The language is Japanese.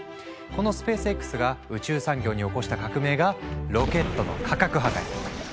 このスペースＸが宇宙産業に起こした革命がロケットの価格破壊。